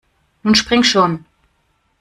Nun spring schon!